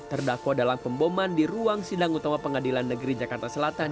terdakwa dalam pemboman di ruang sidang utama pengadilan negeri jakarta selatan